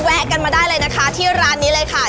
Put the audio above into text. แวะกันมาได้เลยนะคะที่ร้านนี้เลยค่ะ